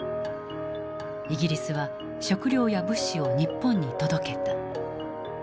イギリスは食料や物資を日本に届けた。